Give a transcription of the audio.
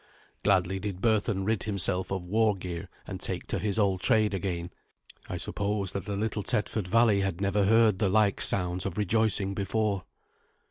Gladly did Berthun rid himself of war gear and take to his old trade again. I suppose that the little Tetford valley had never heard the like sounds of rejoicing before.